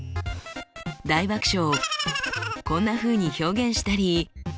大爆笑をこんなふうに表現したり。